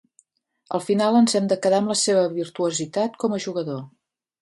Al final ens hem de quedar amb la seva virtuositat com a jugador.